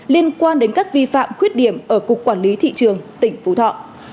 liên quan đến các vi phạm khuyết điểm ở cục quản lý thị trường tỉnh phú thọ